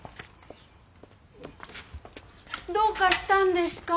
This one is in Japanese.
どうかしたんですか？